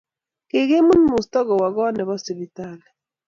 Kikimut musto kowa kot nepo sipitali